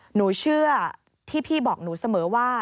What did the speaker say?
หนูเชื่อที่พี่บอกหนูเสมอว่า